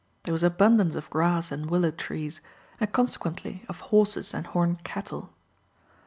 There was abundance of grass and willow trees, and consequently of horses and horned cattle.